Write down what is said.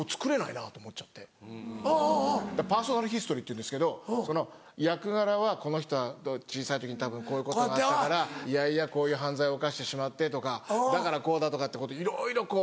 パーソナルヒストリーっていうんですけど役柄はこの人は小さい時たぶんこういうことがあったから嫌々こういう犯罪を犯してしまってとかだからこうだとかってことをいろいろこう。